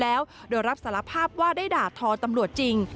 แล้วโดยรับสารภาพว่าได้ด่าทอตำรวจจริง